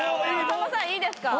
さんまさんいいですか？